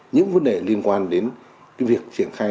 những vấn đề liên quan đến việc triển khai